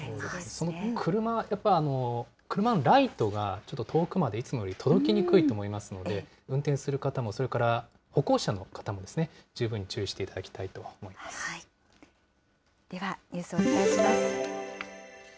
その車、やっぱり車のライトが遠くまでいつもより届きにくいと思いますので、運転する方も、それから歩行者の方も、十分に注意していただではニュースをお伝えします。